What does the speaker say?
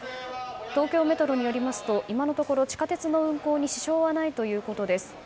東京メトロによりますと今のところ地下鉄の運行に支障はないということです。